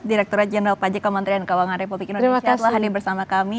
direkturat jenderal pajak kementerian keuangan republik indonesia telah hadir bersama kami